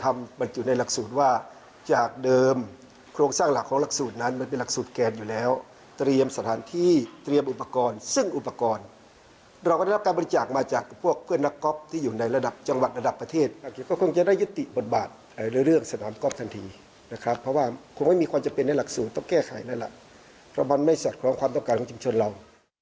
มันจะเป็นหลักสูตรต้องแก้ไขนั่นแหละเพราะมันไม่สัดความต้องการของจังชนเรา